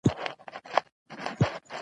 اوس د دې خبرو وخت نه دى.